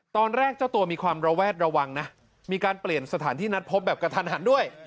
ตอนแรกเจ้าตัวมีความระแวดระวังนะมีการเปลี่ยนสถานที่นัดพบแบบกระทันหันด้วย